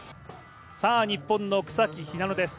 日本の草木ひなのです。